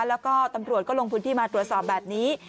แล้วก็ตำรวจก็ลงพื้นที่มาตรวจสอบแบบนี้